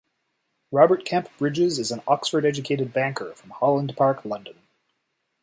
Robert Kempe Brydges is an Oxford-educated banker from Holland Park, London.